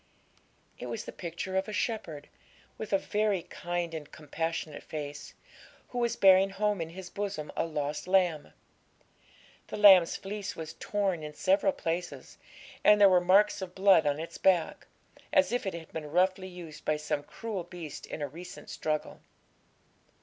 It was the picture of a shepherd, with a very kind and compassionate face, who was bearing home in his bosom a lost lamb. The lamb's fleece was torn in several places, and there were marks of blood on its back, as if it had been roughly used by some cruel beast in a recent struggle.